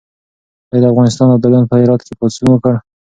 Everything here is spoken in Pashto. آیا د افغانستان ابدالیانو په هرات کې پاڅون وکړ؟